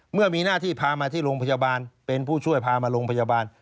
เมื่อมีหน้าที่พามาที่โรงพยาบาลเป็นผู้ช่วยพามาโรงพยาบาล